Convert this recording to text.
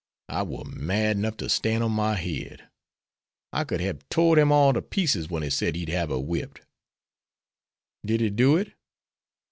I war mad 'nough to stan' on my head. I could hab tore'd him all to pieces wen he said he'd hab her whipped." "Did he do it?"